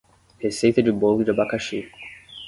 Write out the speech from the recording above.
Receita de bolo de abacaxi.